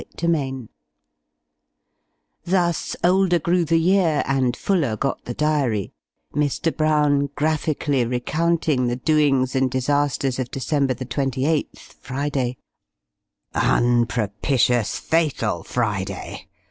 Thus older grew the year, and fuller got the Diary Mr. Brown graphically recounting the doings and disasters of "December 28_th_, Friday. Unpropitious, fatal, Friday!